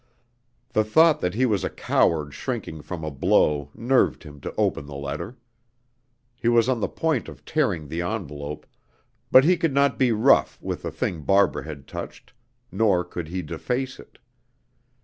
The thought that he was a coward shrinking from a blow nerved him to open the letter. He was on the point of tearing the envelope, but he could not be rough with a thing Barbara had touched, nor could he deface it.